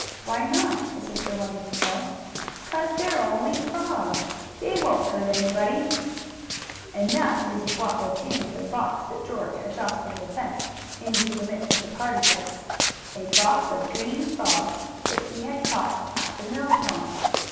"Why not?" his sister wanted to know. "'Cause they're only frogs. They won't hurt anybody!" And that is what was in the box that George had tossed over the fence into the midst of the party guests a box of big, green frogs that he had caught at the mill pond.